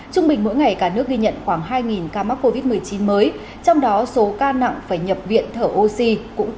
trung bình mỗi ngày cả nước ghi nhận khoảng hai ca mắc covid một mươi chín mới trong đó số ca nặng phải nhập viện thở ổn